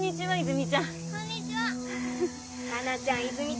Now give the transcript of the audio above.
泉ちゃん。